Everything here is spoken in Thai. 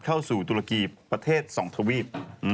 เข้าสู่ตุรกีประเทศสองทวีป